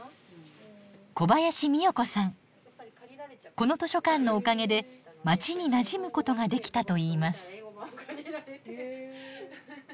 この図書館のおかげで街になじむことができたといいます。